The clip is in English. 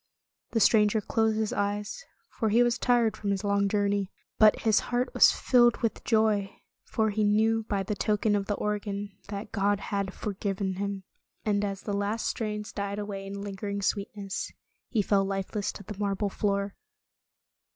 The stranger closed his eyes, for he was tired from his long journey. But his heart was filled with joy, for he knew by the token of the organ that God had forgiven him. And as the last strains died away in lingering sweetness, he fell lifeless to the marble floor.